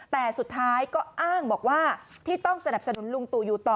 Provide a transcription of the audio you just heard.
แต่สุดท้ายก็อ้างบอกว่าที่ต้องสนับสนุนลุงตู่อยู่ต่อ